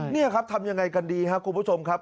นี่ครับทำยังไงกันดีครับคุณผู้ชมครับ